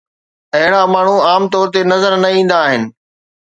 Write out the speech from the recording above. اهڙا ماڻهو عام طور تي نظر نه ايندا آهن.